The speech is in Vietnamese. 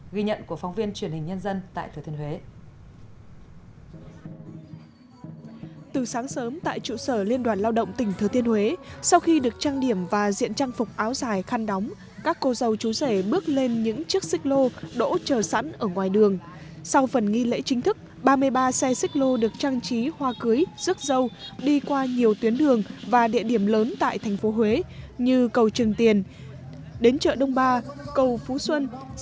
ghi nhận của phóng viên truyền hình nhân dân tại thừa thiên huế